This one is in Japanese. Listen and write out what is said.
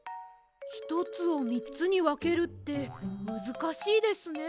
ひとつをみっつにわけるってむずかしいですね。